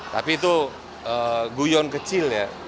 tapi itu guyon kecil ya